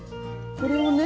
これをね